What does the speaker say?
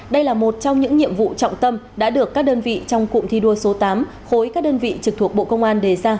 đây là một trong những nhiệm vụ trọng tâm đã được các đơn vị trong cụm thi đua số tám khối các đơn vị trực thuộc bộ công an đề ra